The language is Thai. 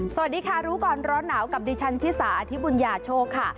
สวัสดีค่ะรู้ก่อนร้อนหนาวกับดิฉันชิสาอธิบุญญาโชคค่ะ